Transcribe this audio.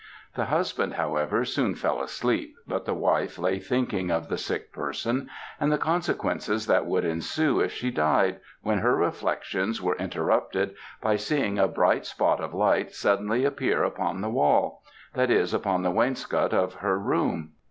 The husband, however, soon fell asleep, but the wife lay thinking of the sick person, and the consequences that would ensue if she died, when her reflections were interrupted by seeing a bright spot of light suddenly appear upon the wall that is, upon the wainscoat of her room.